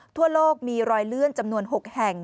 ทั่วโลกมีรอยเลื่อนจำนวน๖แห่ง